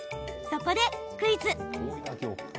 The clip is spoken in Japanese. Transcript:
そこでクイズ！